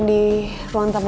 tetap sakit juga